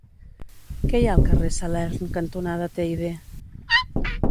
Què hi ha al carrer Salern cantonada Teide?